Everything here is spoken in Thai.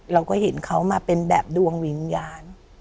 เราก็เห็นเขามาเป็นแบบดวงวิญญาณ